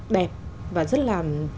đẹp và rất là